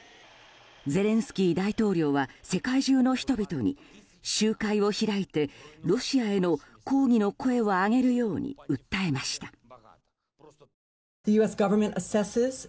ゼレンスキー大統領は世界中の人々に集会を開いてロシアへの抗議の声を上げるように訴えました。